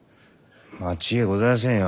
間違えございやせんよ。